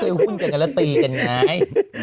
เคยหุ้นกันแล้วตีกันไง